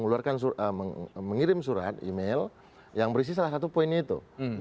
mengirim surat email yang berisi salah satu poinnya itu